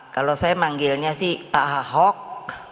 kalau saya manggilnya sih pak ahok